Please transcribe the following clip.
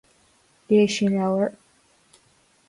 Léigh sí an leabhar.